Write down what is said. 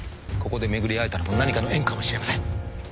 ここで巡り合えたのも何かの縁かもしれません。